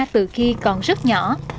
từ khi còn rất nhỏ